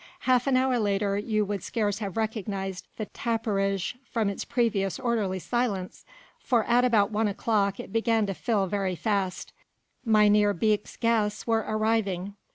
Half an hour later you would scarce have recognised the tapperij from its previous orderly silence, for at about one o'clock it began to fill very fast. Mynheer Beek's guests were arriving.